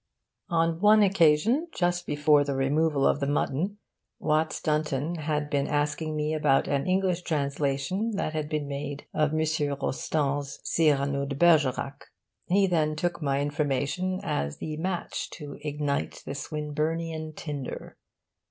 On one occasion, just before the removal of the mutton, Watts Dunton had been asking me about an English translation that had been made of M. Rostand's 'Cyrano de Bergerac.' He then took my information as the match to ignite the Swinburnian tinder.